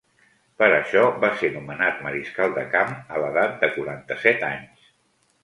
Per això, va ser nomenat mariscal de camp a l'edat de quaranta-set anys.